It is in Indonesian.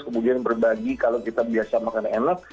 kemudian berbagi kalau kita biasa makan enak